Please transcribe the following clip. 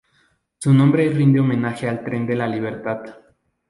Su nombre rinde homenaje al Tren de la Libertad.